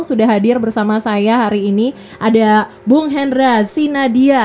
sudah hadir bersama saya hari ini ada bung henra sinadia